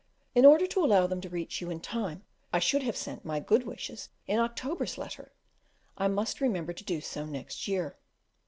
In order to allow them to reach you in time I should have sent my good wishes in October's letter; I must remember to do so next year.